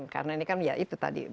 karena ini kan ya itu tadi